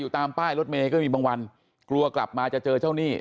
อยู่ตามป้ายรถมีก็ยังมีบางวันกลัวกลับมาเจอเจ้าหนี้